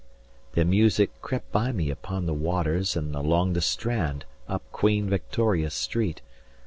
"This music crept by me upon the waters" And along the Strand, up Queen Victoria Street.